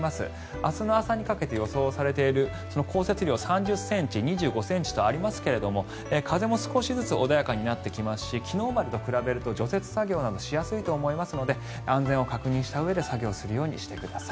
明日の朝にかけて予想されている降雪量は３０ｃｍ、２５ｃｍとありますが風も少しずつ穏やかになってきますし昨日までと比べると除雪作業はしやすいと思いますので安全を確認したうえで作業するようにしてください。